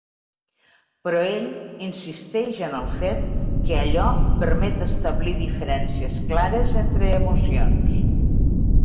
Però ell insisteix en el fet que allò permet establir diferències clares entre emocions.